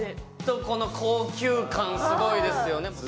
この高級感すごいですよね。